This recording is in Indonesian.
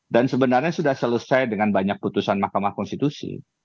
dan sebenarnya sudah selesai dengan banyak putusan mahkamah konstitus